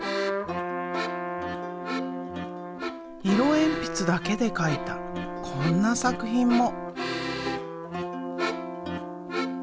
色鉛筆だけで描いたこんな作品も。